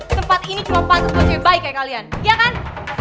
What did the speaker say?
tempat ini cuma pantas buat cewek baik kayak kalian iya kan